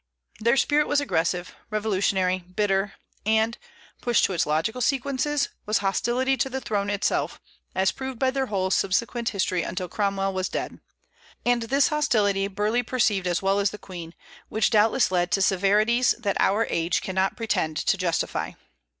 Their spirit was aggressive, revolutionary, bitter, and, pushed to its logical sequences, was hostility to the throne itself, as proved by their whole subsequent history until Cromwell was dead. And this hostility Burleigh perceived as well as the Queen, which, doubtless led to severities that our age cannot pretend to justify.